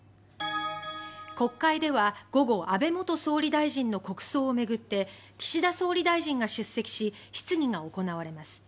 国会では午後安倍元総理大臣の国葬を巡って岸田総理大臣が出席し質疑が行われます。